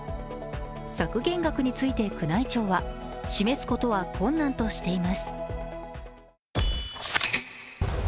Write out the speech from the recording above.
削減額について宮内庁は、示すことは困難としています。